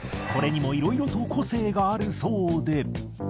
これにもいろいろと個性があるそうで。